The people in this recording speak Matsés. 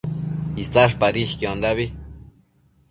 Isash padishquiondabi